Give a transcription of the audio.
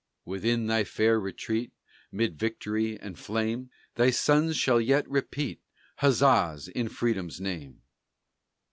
Within thy fair retreat, 'Mid victory and flame, Thy sons shall yet repeat Huzzas in Freedom's name!